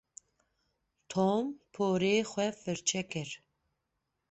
Tom porê xwe firçe kir.